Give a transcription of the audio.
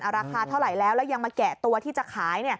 ราคาเท่าไหร่แล้วแล้วยังมาแกะตัวที่จะขาย